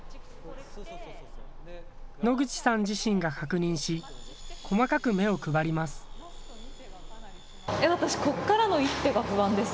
野口さん自身が確認し細かく目を配ります。